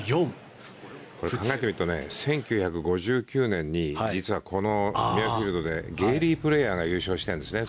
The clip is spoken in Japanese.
考えてみると１９５９年に実はこのミュアフィールドでゲーリー・プレーヤーが優勝してるんですね。